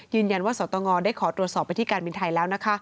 ยืนยันว่าสตงได้ขอตรวจสอบไปที่การบินไทยแล้ว